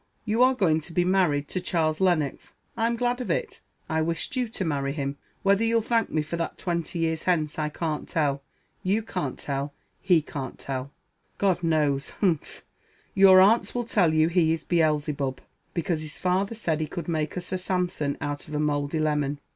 You are going to be married to Charles Lennox. I'm glad of it. I wished you to marry him. Whether you'll thank me for that twenty years hence, I can't tell you can't tell he can't tell God knows humph! Your aunts will tell you he is Beelzebub, because his father said he could make a Sir Sampson out of a mouldy lemon.